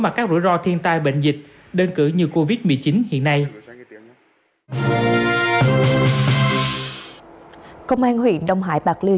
mà các rủi ro thiên tai bệnh dịch đơn cử như covid một mươi chín hiện nay công an huyện đông hải bạc liêu